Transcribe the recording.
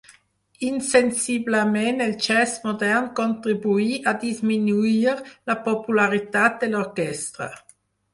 Insensiblement el jazz modern contribuí a disminuir la popularitat de l'orquestra.